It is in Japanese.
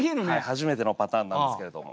初めてのパターンなんですけれども。